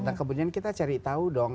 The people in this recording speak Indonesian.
nah kemudian kita cari tahu dong